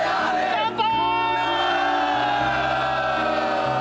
乾杯！